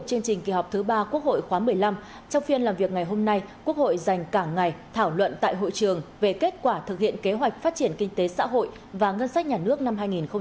trong phiên làm việc ngày hôm nay quốc hội dành cả ngày thảo luận tại hội trường về kết quả thực hiện kế hoạch phát triển kinh tế xã hội và ngân sách nhà nước năm hai nghìn hai mươi một